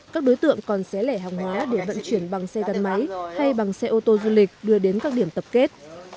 các đối tượng còn xé lẻ hàng hóa để vận chuyển bằng xe gắn máy hay bằng xe ô tô du lịch đưa đến các điểm tập kết